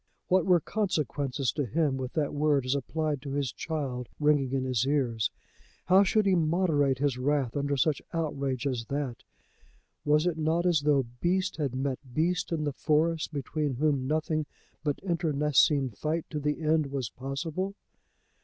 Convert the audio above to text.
What were consequences to him with that word as applied to his child ringing in his ears? How should he moderate his wrath under such outrage as that? Was it not as though beast had met beast in the forest between whom nothing but internecine fight to the end was possible?